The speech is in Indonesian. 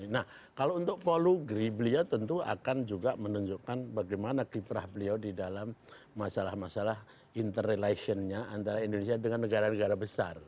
nah kalau untuk polu gribelia tentu akan juga menunjukkan bagaimana kiprah beliau di dalam masalah masalah interrelation nya antara indonesia dengan negara negara besar